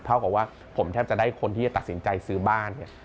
เท่ากับว่าผมแทบจะได้คนที่จะตัดสินใจซื้อบ้านเนี่ย